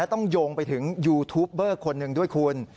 ต้องโยงไปถึงยูทูปเบอร์คนหนึ่งด้วยคุณ